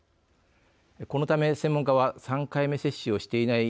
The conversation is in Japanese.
このため専門家は３回目接種をしていない